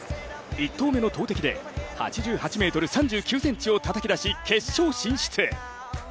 １投目の投てきで８８ｍ３９ｃｍをたたき出し決勝進出。